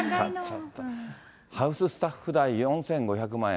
ハウススタッフ代４５００万円。